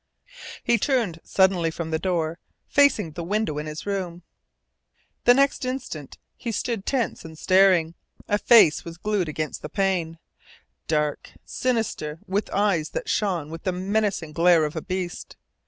He turned suddenly from the door, facing the window in his room. The next instant he stood tense and staring. A face was glued against the pane: dark, sinister, with eyes that shone with the menacing glare of a beast.